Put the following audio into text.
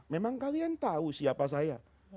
memang kalian tahu siapa saya